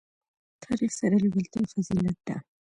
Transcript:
تاریخ سره لېوالتیا فضیلت ده.